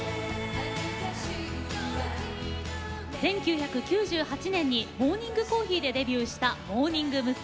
１９９８年に「モーニングコーヒー」でデビューしたモーニング娘。